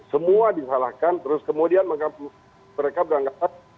semua disalahkan terus kemudian mereka beranggapan